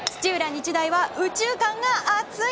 日大は右中間が熱い！